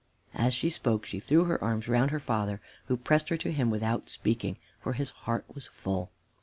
As she spoke, she threw her arms round her father, who pressed her to him without speaking, for his heart was full.